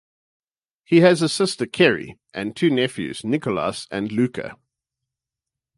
He has a sister, Keri, and two nephews, Nicholas and Luca.